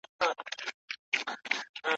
چي د هند د ملکو فتح مي روزي سوه